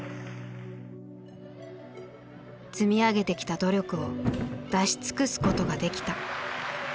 積み上げてきた努力を出し尽くすことができた。